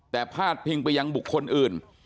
แต่พาดพิงไปยังบุคคลอื่น